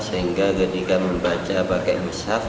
sehingga ketika membaca pakai musaf